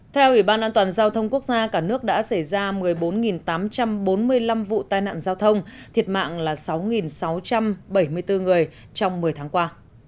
theo ủy ban an toàn giao thông quốc gia cả nước đã xảy ra một mươi bốn tám trăm bốn mươi năm vụ tai nạn giao thông thiệt mạng là sáu sáu trăm bảy mươi bốn người trong một mươi tháng qua